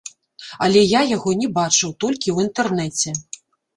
Але я яго не бачыў, толькі ў інтэрнэце.